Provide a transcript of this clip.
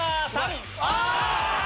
あ！